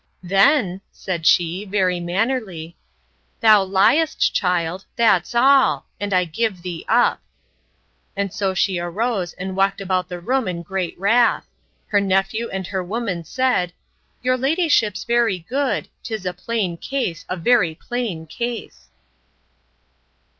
Then, said she, very mannerly, Thou liest, child, that's all: and I give thee up! And so she arose, and walked about the room in great wrath. Her nephew and her woman said, Your ladyship's very good; 'tis a plain case; a very plain case!